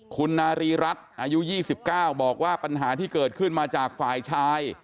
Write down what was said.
คุณนารีรัฐอายุ๒๙บอกว่าปัญหาที่เกิดขึ้นมาจากฝ่ายชาย